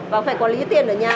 và phải quản lý tiền ở nhà